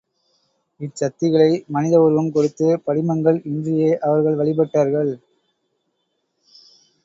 இச்சக்திகளை மனித உருவம் கொடுத்து, படிமங்கள் இன்றியே அவர்கள் வழிபட்டார்கள்.